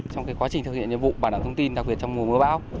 trong quá trình thực hiện nhiệm vụ bảo đảm thông tin đặc biệt trong mùa mưa bão